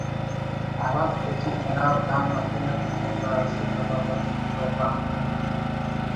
ہرافتیٹی ”تلار گال“ نا پن اٹ عبدالرازق ابابکی پروگرام کریکہ